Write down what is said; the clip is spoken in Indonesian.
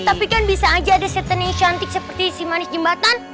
tapi kan bisa aja ada setan yang cantik seperti si manis jembatan